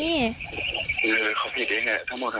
เออเขาผิดแห่งแห่งทั้งหมดอ่ะ